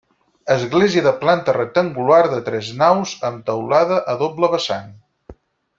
Església de planta rectangular de tres naus, amb teulada a doble vessant.